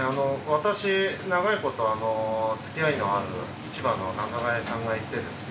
私長いことつきあいのある千葉の仲買さんがいてですね